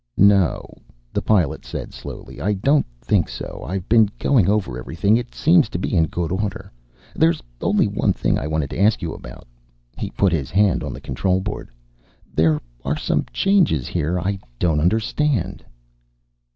"No," the Pilot said slowly. "I don't think so. I've been going over everything. It seems to be in good order. There's only one thing I wanted to ask you about." He put his hand on the control board. "There are some changes here I don't understand."